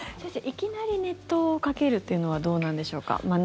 いきなり熱湯をかけるというのはどうなんでしょうか？